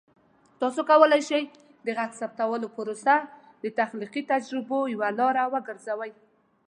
تاسو کولی شئ د غږ ثبتولو پروسه د تخلیقي تجربو یوه لاره وګرځوئ.